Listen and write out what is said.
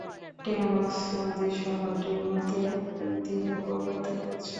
Thames নদী শহরটির মধ্য দিয়ে প্রবাহিত হয়েছে।